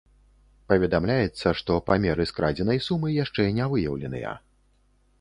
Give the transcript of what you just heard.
Паведамляецца, што памеры скрадзенай сумы яшчэ не выяўленыя.